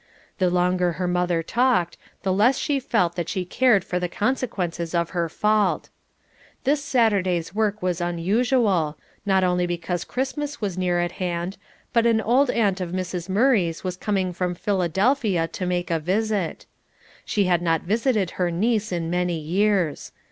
The longer her mother talked, the less she felt that she cared for the consequences of her fault. This Saturday's work was unusual, not only because Christmas was near at hand, but an old aunt of Mrs. Murray's was coming from Philadelphia to make a visit. She had not visited her niece in many years.